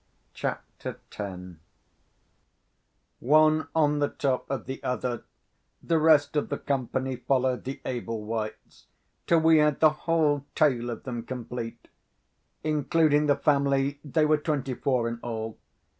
CHAPTER X One on the top of the other the rest of the company followed the Ablewhites, till we had the whole tale of them complete. Including the family, they were twenty four in all.